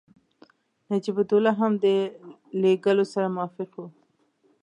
نجیب الدوله هم د لېږلو سره موافق وو.